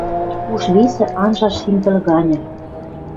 Уж весӹ анжа шим пӹл ганьы.